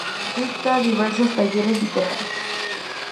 Dicta diversos talleres literarios.